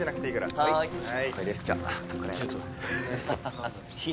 はい。